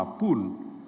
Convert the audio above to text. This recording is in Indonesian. sekecil apa pun